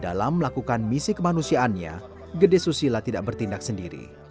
dalam melakukan misi kemanusiaannya gede susila tidak bertindak sendiri